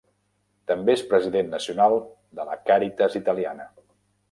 També és President Nacional de la Càritas Italiana.